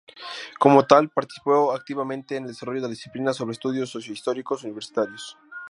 Como tal, participó activamente en el desarrollo de la disciplina sobre estudios socio-históricos universitarios.